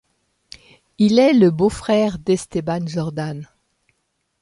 Il est le beau-frère d'Esteban Jordán.